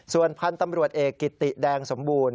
ส่วนพันธุ์ตำรวจเอกกิติแดงสมบูรณ